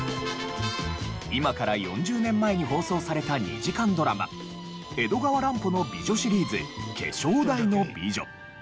今から４０年前に放送された２時間ドラマ『江戸川乱歩の美女シリーズ化粧台の美女』。